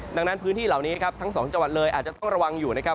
ดังนั้นพื้นที่เหล่านี้ครับทั้งสองจังหวัดเลยอาจจะต้องระวังอยู่นะครับ